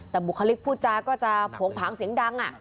แต่บุคลิกพูดจาก็จะโผงผางเสียงดัง